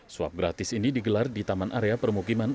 swab gratis ini digelar di taman area permukiman